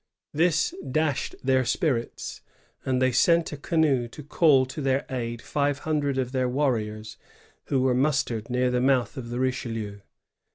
This dashed their spirits, and they sent a canoe to caU to their aid five hundred of their warriors who were mustered near the mouth of the Richelieu.